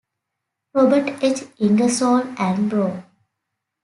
Robert H. Ingersoll and Bro.